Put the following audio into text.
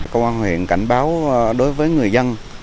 công an huyện cảnh báo đối với người dân